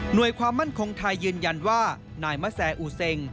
หน่วยความมั่นคงไทยยืนยันว่านายมะแสอุศิง